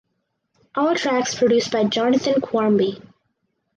All tracks produced by Jonathan Quarmby.